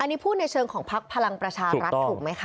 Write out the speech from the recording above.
อันนี้พูดในเชิงของพักพลังประชารัฐถูกไหมคะ